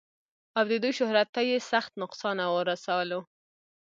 او د دوي شهرت تۀ ئې سخت نقصان اورسولو